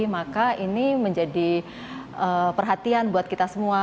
maka ini menjadi perhatian buat kita semua